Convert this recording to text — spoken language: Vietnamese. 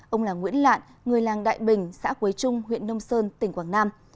ông là nguyễn lạn người làng đại bình xã quế trung huyện nông sơn tỉnh quảng nam